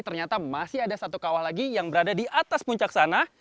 ternyata masih ada satu kawah lagi yang berada di atas puncak sana